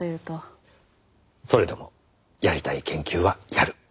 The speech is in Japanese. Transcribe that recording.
それでもやりたい研究はやる。